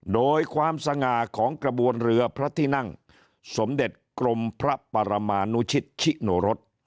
โดยความสง่าของกระบวนเรือพระที่นั่งสมเด็จกรมพระปรมานุชิตชิโนรส